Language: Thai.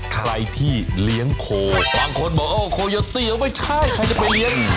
ใครที่เลี้ยงโคบางคนบอกโอ้โคอย่าเตียไม่ใช่ใครจะไปเลี้ยง